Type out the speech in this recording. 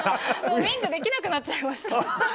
ウインクできなくなっちゃいました。